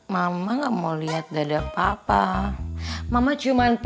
mama gak mau lihat dada papa mama gak mau lihat dada papa